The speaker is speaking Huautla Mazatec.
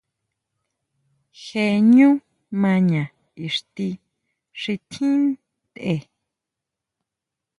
Jee ʼñú maña ixti xi tjín ntʼe.